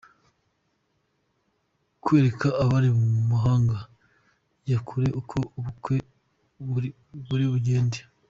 Kwereka abari mu mahanga ya kure uko ubukwe buri kugenda.